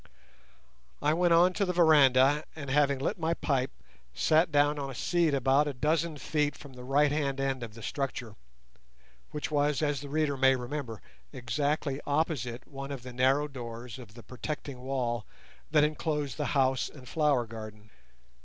I went on to the veranda and, having lit my pipe, sat down on a seat about a dozen feet from the right hand end of the structure, which was, as the reader may remember, exactly opposite one of the narrow doors of the protecting wall that enclosed the house and flower garden.